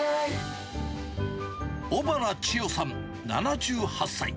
小原千代さん７８歳。